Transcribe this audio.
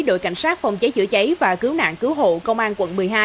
đội cảnh sát phòng cháy chữa cháy và cứu nạn cứu hộ công an quận một mươi hai